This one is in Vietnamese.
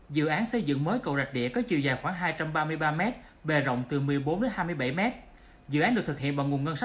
dự án xây dựng mới cầu rạch đĩa có chiều dài khoảng hai trăm ba mươi ba m bề rộng từ một mươi bốn hai mươi bảy m